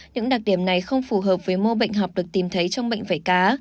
những đặc điểm này không phù hợp với mô bệnh học được tìm thấy trong bệnh vẩy cá